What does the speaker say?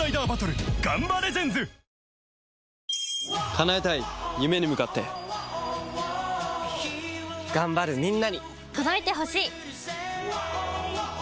叶えたい夢に向かって頑張るみんなに届いてほしい！